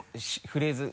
フレーズ